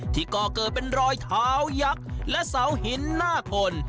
ก่อเกิดเป็นรอยเท้ายักษ์และเสาหินหน้าคน